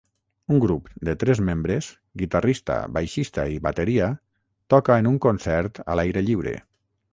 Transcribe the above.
Un grup de tres membres, guitarrista, baixista i bateria, toca en un concert a l'aire lliure